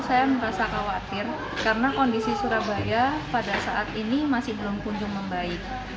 saya merasa khawatir karena kondisi surabaya pada saat ini masih belum kunjung membaik